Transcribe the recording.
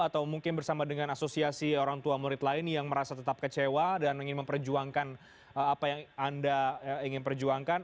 atau mungkin bersama dengan asosiasi orang tua murid lain yang merasa tetap kecewa dan ingin memperjuangkan apa yang anda ingin perjuangkan